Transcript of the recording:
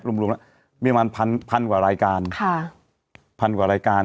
รวมลงแล้วมีพันมากกว่ารายการ